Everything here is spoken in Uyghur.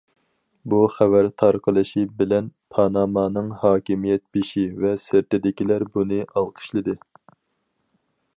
بۇ خەۋەر تارقىلىشى بىلەن پانامانىڭ ھاكىمىيەت بېشى ۋە سىرتىدىكىلەر بۇنى ئالقىشلىدى.